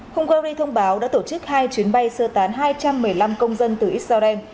hungary thông báo đã tổ chức hai chuyến bay sơ tán hai trăm một mươi năm công dân từ israel